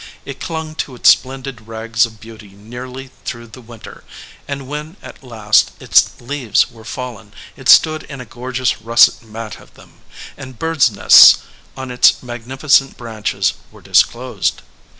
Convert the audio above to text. It clung to its splendid rags of beauty nearly through the winter, and when at last its leaves were fallen, it stood in a gorgeous russet mat of them, and birds nests on its magnificent branches were disclosed.